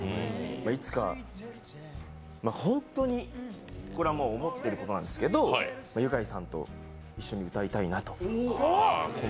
いつかは、ホントに、これは思ってることなんですけどユカイさんと一緒に歌いたいなと。